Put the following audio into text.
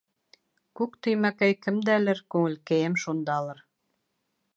Күк төймәкәй кемдәлер, күңелкәйем шундалыр.